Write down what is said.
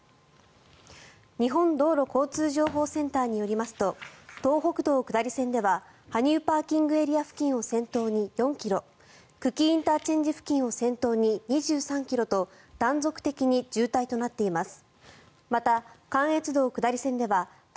日本道路交通情報センターによりますと東北道下り線では羽生ＰＡ付近を先頭に４ｋｍ久喜ＩＣ付近を先頭に２３ｋｍと断続的に渋滞となっています。